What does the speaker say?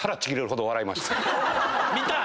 見た！